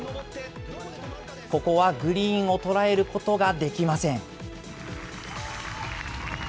ここはグリーンを捉えることができません。